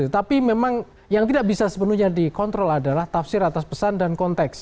tapi memang yang tidak bisa sepenuhnya dikontrol adalah tafsir atas pesan dan konteks